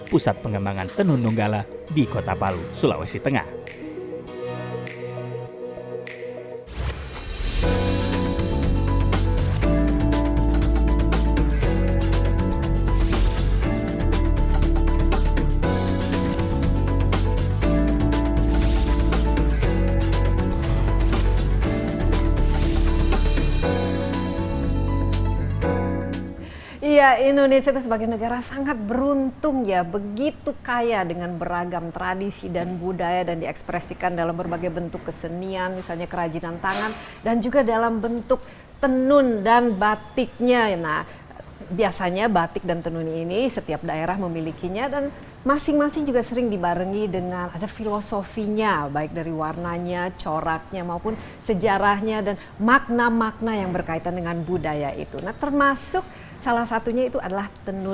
pusat pengembangan tenun donggala di kota palu sulawesi tengah